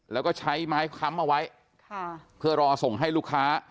แล้วก็ใช้ไม้ค้ำเอาไว้เพื่อรอส่งให้ลูกค้า